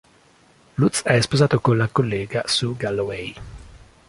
Lutz è sposato con la collega Sue Galloway.